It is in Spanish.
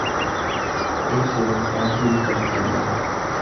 Es sedentario y territorial.